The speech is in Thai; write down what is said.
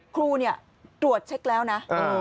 ครูตรวจเช็คแล้วนะ